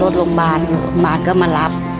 รถโรงพยาบาลโรงพยาบาลก็มารับ